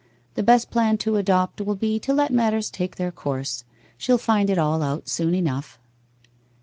The best plan to adopt will be to let matters take their course she'll find it all out soon enough.